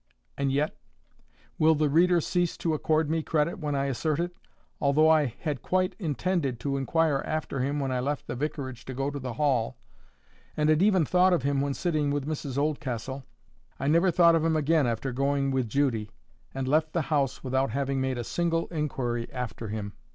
And yet—will the reader cease to accord me credit when I assert it?—although I had quite intended to inquire after him when I left the vicarage to go to the Hall, and had even thought of him when sitting with Mrs Oldcastle, I never thought of him again after going with Judy, and left the house without having made a single inquiry after him.